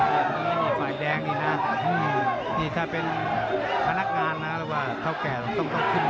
อยากดูนี่ฝ่ายแดงดีนะถ้าเป็นพนักงานนะครับว่าเทาแก่ต้องขึ้น